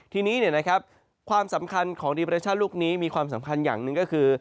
ทีนี้ความสำคัญของรุ่งนี้มีความสำคัญอย่างนึงก็คือ